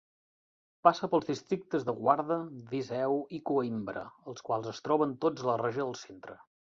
Passa pels districtes de Guarda, Viseu i Coimbra, els quals es troben tots a la Regió del Centre.